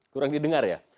kurang didengar ya